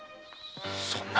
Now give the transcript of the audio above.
そそんな。